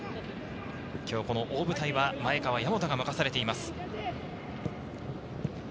今日この大舞台は前川大和が任されています。